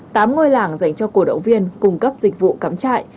tám ngôi làng dành cho cổ động viên cung cấp dịch vụ cắm trại